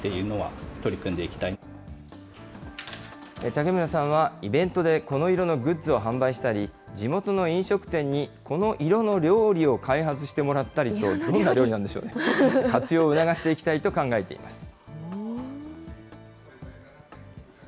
竹村さんは、イベントでこの色のグッズを販売したり、地元の飲食店にこの色の料理を開発してもらったりと、どんな料理なんでしょうね、活用を促していきたいと考えています。